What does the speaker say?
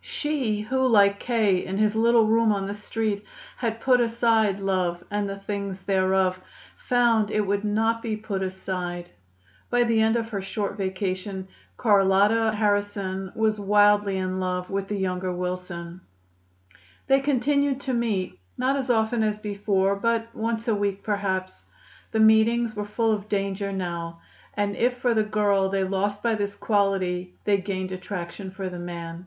She who, like K. in his little room on the Street, had put aside love and the things thereof, found that it would not be put aside. By the end of her short vacation Carlotta Harrison was wildly in love with the younger Wilson. They continued to meet, not as often as before, but once a week, perhaps. The meetings were full of danger now; and if for the girl they lost by this quality, they gained attraction for the man.